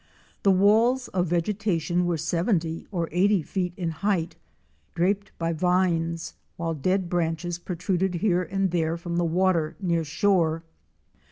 The walls of vegetation were seventy or eighty feet in height, draped by vines, while dead branches protruded here and there from the water near shore.